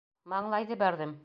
Маңлайҙы бәрҙем!